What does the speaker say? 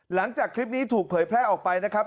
หลังจากคลิปนี้ถูกเผยแพร่ออกไปนะครับ